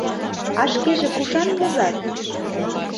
А шкеже кушан возат?